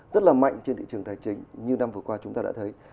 rất là mạnh trên thị trường tài chính như năm vừa qua chúng ta đã thấy